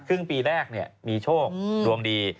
ครึ่งปีแรกมีโชคดวงดี